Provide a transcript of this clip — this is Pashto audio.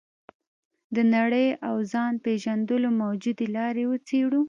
د نړۍ او ځان پېژندلو موجودې لارې وڅېړو.